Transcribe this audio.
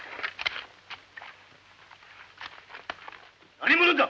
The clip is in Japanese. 何者だ！